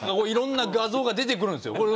いろんな画像が出てくるんですよ。